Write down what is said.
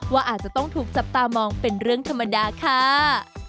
ว่าอาจจะต้องถูกจับตามองเป็นเรื่องธรรมดาค่ะ